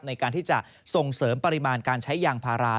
ในการที่จะส่งเสริมปริมาณการใช้ยางพารา